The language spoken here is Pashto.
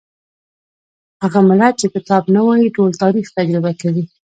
هغه ملت چې کتاب نه وايي ټول تاریخ تجربه کوي.